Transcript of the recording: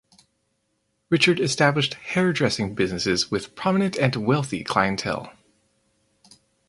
Richard established hairdressing businesses with prominent and wealthy clientele.